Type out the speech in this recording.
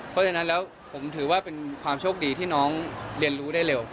เพราะฉะนั้นแล้วผมถือว่าเป็นความโชคดีที่น้องเรียนรู้ได้เร็ว